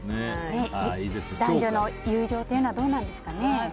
男女の友情というのはどうなんですかね？